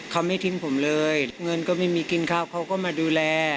เขาไม่ทิ้งผมเลยเงินก็ไม่มีกินข้าวเขาก็มาดูแล